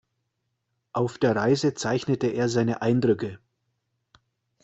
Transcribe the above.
Auf der Reise zeichnete er seine Eindrücke.